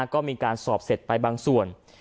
ก็มีการสอบเสร็จไปบางส่วน